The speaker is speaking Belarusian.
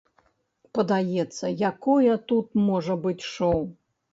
Падаецца, якое тут можа быць шоў?